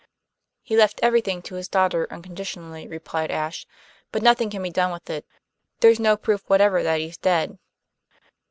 "He left everything to his daughter unconditionally," replied Ashe. "But nothing can be done with it. There's no proof whatever that he's dead."